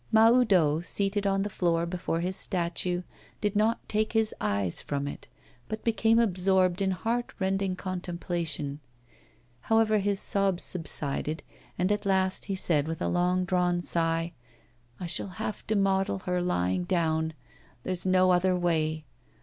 Mahoudeau, seated on the floor before his statue, did not take his eyes from it, but became absorbed in heart rending contemplation. However, his sobs subsided, and at last he said with a long drawn sigh: 'I shall have to model her lying down! There's no other way!